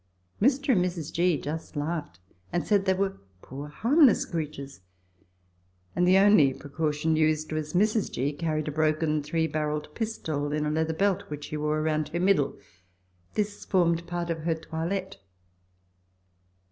Mr. and Mrs. G. just laughed, and said they were poor harmless creatures, and the only precaution used was, Mrs. G. carried a broken three barrelled pistol in a leather belt which she wore round her middle ; this formed part of her toilet.